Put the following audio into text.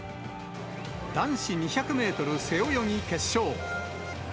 男子２００メートル背泳ぎ決勝。